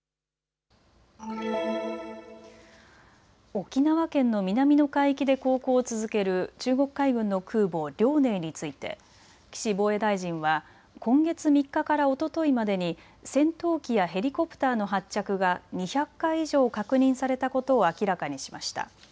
沖縄県の南の海域で航行を続ける中国海軍の空母、遼寧について岸防衛大臣は今月３日からおとといまでに戦闘機やヘリコプターの発着が２００回以上、確認されたことを明らかにしました。